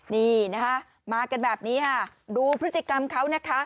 นี่นะคะมากันแบบนี้ดูพฤติกรรมเขา